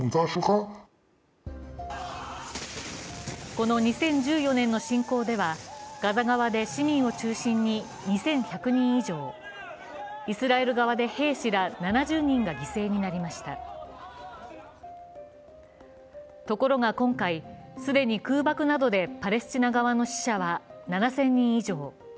この２０１４年の侵攻ではガザ側で市民を中心に２１００人以上、イスラエル側で兵士ら７０人が犠牲になりましたところが今回、既に空爆などでパレスチナ側の死者は７０００人以上。